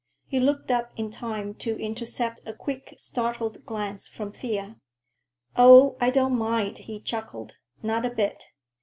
He looked up in time to intercept a quick, startled glance from Thea. "Oh, I don't mind," he chuckled; "not a bit.